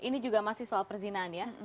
ini juga masih soal perzinaan ya